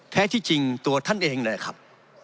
แท้ที่จริงตัวท่านเองเลยครับ